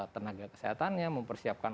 tenaga kesehatannya mempersiapkan